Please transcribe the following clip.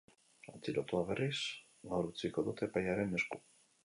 Atxilotua, berriz, gaur utziko dute epailearen esku.